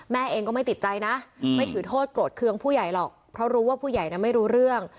แม่เองก็ไม่ติดใจนะไม่ถือโทษโกรธเครื่องผู้ใหญ่หรอกเพราะรู้ว่าผู้ใหญ่น่ะไม่รู้เรื่อง